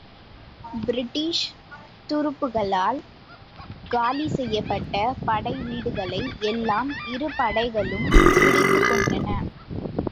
British துருப்புகளால் காலி செய்யப்பட்ட படை வீடுகளை எல்லாம் இரு படைகளும் பிடித்துக்கொண்டன.